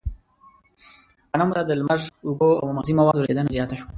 غنمو ته د لمر، اوبو او مغذي موادو رسېدنه زیاته شوه.